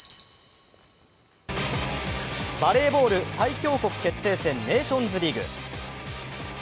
バレーボール最強国決定戦ネーションズリーグ。